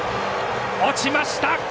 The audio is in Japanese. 落ちました。